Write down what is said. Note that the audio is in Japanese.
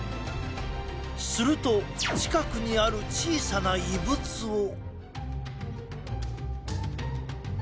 すると近くにある小さな異物を。